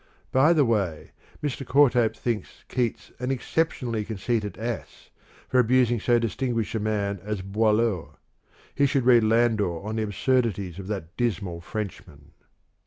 (By the way, Mr. Courthope thinks Keats an exceptionally conceited ass for abusing so distinguished a man as Boileau. He should read Landor on the absurdities of that dismal Frenchman.)